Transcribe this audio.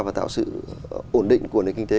và tạo sự ổn định của nền kinh tế